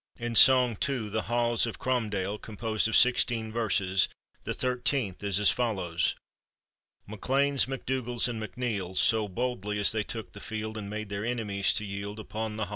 In song II., "The Haughs of Crom dale," composed of sixteen verses, the thirteenth is as follows: MacLeans, MacDougals, and MacNeils, So boldly as they took the field, And made their enemies to yield, Upon the haughs of Cromdale."